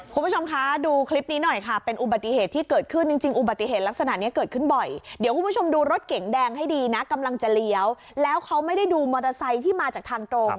คุณผู้ชมคะดูคลิปนี้หน่อยค่ะเป็นอุบัติเหตุที่เกิดขึ้นจริงอุบัติเหตุลักษณะนี้เกิดขึ้นบ่อยเดี๋ยวคุณผู้ชมดูรถเก๋งแดงให้ดีนะกำลังจะเลี้ยวแล้วเขาไม่ได้ดูมอเตอร์ไซค์ที่มาจากทางตรง